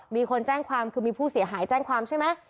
มีคนแจ้งความคือมีผู้เสียหายแจ้งความใช่ไหม